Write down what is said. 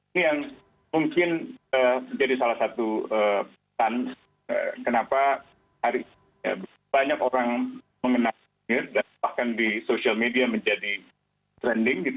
ini yang mungkin menjadi salah satu pesan kenapa hari ini banyak orang mengenal dan bahkan di social media menjadi trending